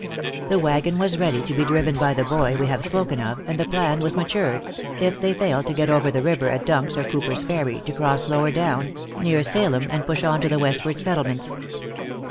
The wagon was ready, to be driven by the boy we have spoken of, and the plan was matured, if they failed to get over the river at Dunk's or Cooper's Ferry, to cross lower down, near Salem, and push on to the westward settlements.